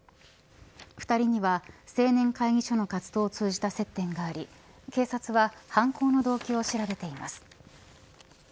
２人には青年会議所の活動を通じた接点があり警察は犯行の動機を調べています。